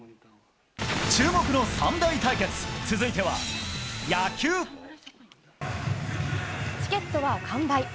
注目の３大対決、続いては野チケットは完売。